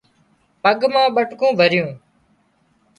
پڳ مان ٻٽڪُون ڀريون